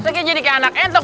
sekian jadi kayak anak entok